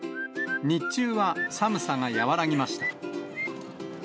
日中は寒さが和らぎました。